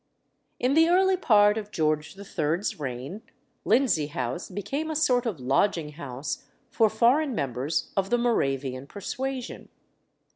In the early part of George III.'s reign Lindsey House became a sort of lodging house for foreign members of the Moravian persuasion.